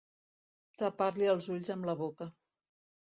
Tapar-li els ulls amb la boca.